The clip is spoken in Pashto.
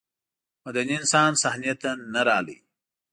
مدني انسان صحنې ته نه راغلی.